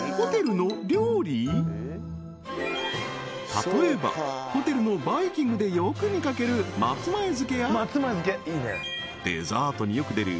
例えばホテルのバイキングでよく見かける松前漬やデザートによく出る